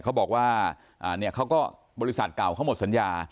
เขาบอกว่าเนี่ยเขาก็บริษัทเก่าเขาหมดสัญญา